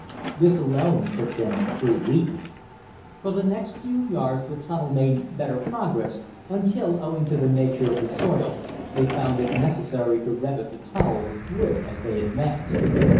This alone took them three weeks. For the next few yards the tunnel made better progress until, owing to the nature of the soil, they found it necessary to revet the tunnel with wood as they advanced.